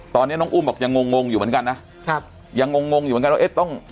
ตอนนี้น้องอุ้มบอกยังงงงอยู่เหมือนกันนะครับยังงงงงอยู่เหมือนกันว่าเอ๊ะต้อง